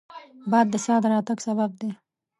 باد د سا د راتګ سبب دی